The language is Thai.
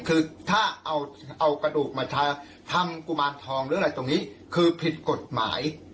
คือถ้าเอากระดูกมาทำกุมารทองหรืออะไรตรงนี้คือผิดกฎหมาย